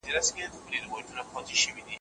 د تقاعد سیسټم د امنیت احساس ورکوي.